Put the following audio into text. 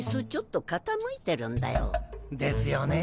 ですよねえ。